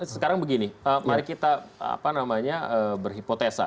sekarang begini mari kita berhipotesa